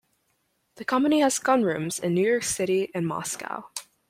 The company has gunrooms in New York City and Moscow.